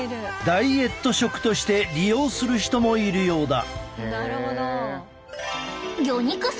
ダイエット食として利用する人もいるようだ。